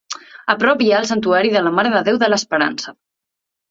A prop hi ha el Santuari de la Mare de Déu de l'Esperança.